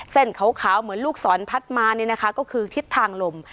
เส้นขาวเหมือนลูกศรพัดมานี่นะคะก็คือทิศทางลม